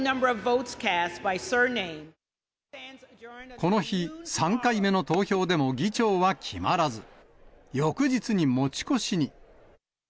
この日、３回目の投票でも議長は決まらず、翌日に持ち越しに。